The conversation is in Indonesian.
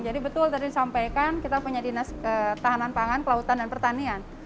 jadi betul tadi disampaikan kita punya dinas tahanan pangan kelautan dan pertanian